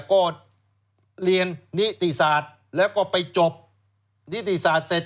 ก็เรียนนิติศาสตร์แล้วก็ไปจบนิติศาสตร์เสร็จ